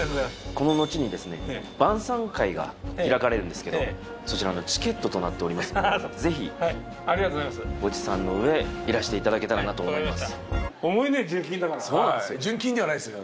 この後にですね晩餐会が開かれるんですけどそちらのチケットとなっておりますのでぜひご持参の上ありがとうございますいらしていただけたらなと思います